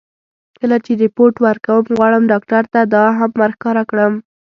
کله چې رېپورټ ورکوم، غواړم ډاکټر ته دا هم ور ښکاره کړم.